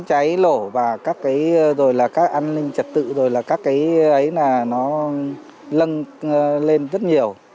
cháy nổ và các cái rồi là các an ninh trật tự rồi là các cái ấy là nó lân lên rất nhiều